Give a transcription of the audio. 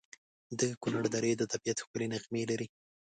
د کنړ درې د طبیعت ښکلي نغمې لري.